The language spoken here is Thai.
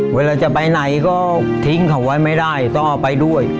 เวลาจะไปไหนก็ทิ้งเขาไว้ไม่ได้ต้องเอาไปด้วย